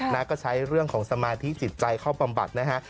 นะก็ใช้เรื่องของสมาธิจิตใจเข้าบำบัดนะฮะ